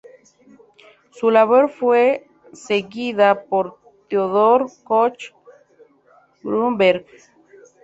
Su labor fue seguida por Theodor Koch-Grünberg.